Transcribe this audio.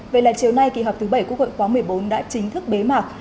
vậy là chiều nay kỳ họp thứ bảy quốc hội khóa một mươi bốn đã chính thức bế mạc